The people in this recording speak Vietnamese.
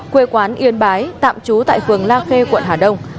quê quán yên bái tạm trú tại phường la khê quận hà đông